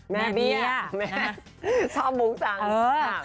แม่เบี้ยชอบบุ๊คสั่ง